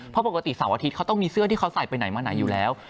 เพราะปกติเสาร์อาทิตย์เขาต้องมีเสื้อที่เขาใส่ไปไหนมาไหนอยู่แล้ว